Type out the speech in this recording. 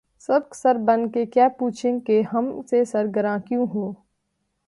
سبک سر بن کے کیا پوچھیں کہ ’’ ہم سے سر گراں کیوں ہو؟‘‘